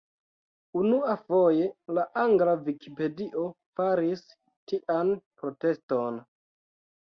Unuafoje la Angla Vikipedio faris tian proteston.